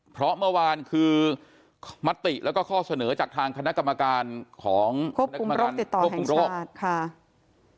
เพราะเมื่อวานคือมัตติแล้วก็ข้อเสนอจากทางคณะกรรมการของควบคุมรกติดต่อแห่งชาติ